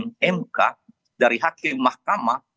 dari hakim mk dari hakim mahkamah